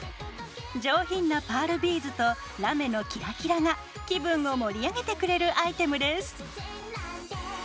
上品なパールビーズとラメのキラキラが気分を盛り上げてくれるアイテムです。